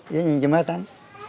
iya di jembatan